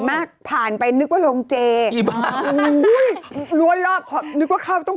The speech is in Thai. มากผ่านไปนึกว่าโรงเจหรือลวดหลอกเดี๋ยวเขานึกว่าเขาต้อง